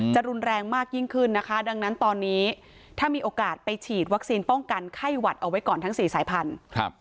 รุนแรงมากยิ่งขึ้นนะคะดังนั้นตอนนี้ถ้ามีโอกาสไปฉีดวัคซีนป้องกันไข้หวัดเอาไว้ก่อนทั้งสี่สายพันธุ์